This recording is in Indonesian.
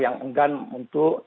yang enggan untuk